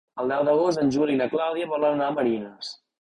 El deu d'agost en Juli i na Clàudia volen anar a Marines.